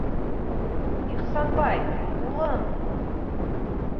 Ихсанбай... улым.